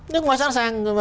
nước ngoài sẵn sàng